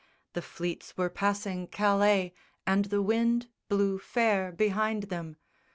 The fleets were passing Calais and the wind Blew fair behind them.